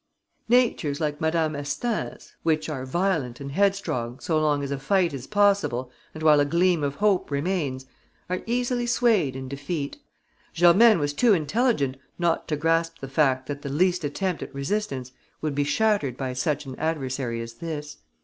Natures like Madame Astaing's, which are violent and headstrong so long as a fight is possible and while a gleam of hope remains, are easily swayed in defeat. Germaine was too intelligent not to grasp the fact that the least attempt at resistance would be shattered by such an adversary as this.